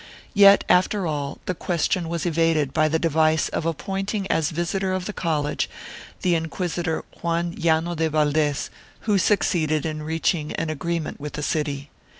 Yet, after all, the question was evaded by the device of appointing as visitor of the college the inquisitor Juan Llano de Valdes, who succeeded in reaching an agreement with the city.